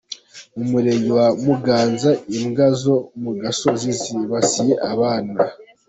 Mu murenge wa Muganza imbwa zo mu gasozi zibasiye abana